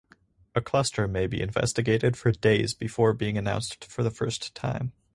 A cluster may be investigated for days before being announced for the first time.